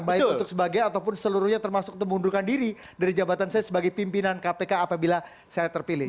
baik untuk sebagian ataupun seluruhnya termasuk untuk mengundurkan diri dari jabatan saya sebagai pimpinan kpk apabila saya terpilih